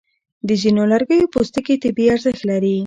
د ځینو لرګیو پوستکي طبي ارزښت لري.